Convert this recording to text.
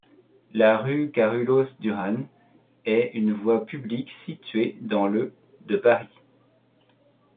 La rue Carolus-Duran est une voie publique située dans le de Paris.